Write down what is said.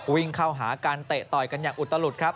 วิ่งเข้าหากันเตะต่อยกันอย่างอุตลุดครับ